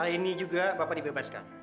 ini juga bapak dibebaskan